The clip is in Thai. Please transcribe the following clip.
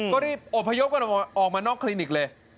ก็รีบอบพยพกันออกมานอกคลินิกเลย